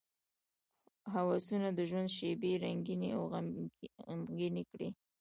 هوسونه د ژوند شېبې رنګینې او غمګینې کړي.